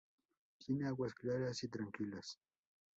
Tiene aguas claras y tranquilas.